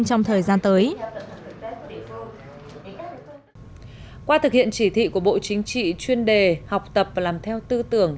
trong thời gian tới qua thực hiện chỉ thị của bộ chính trị chuyên đề học tập và làm theo tư tưởng